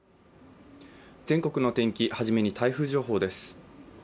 全国の天気、初めに台風情報です。